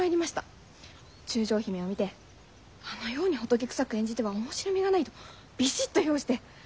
「中将姫」を見て「あのように仏くさく演じては面白みがない」とビシッと評して。